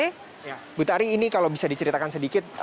ibu tari ini kalau bisa diceritakan sedikit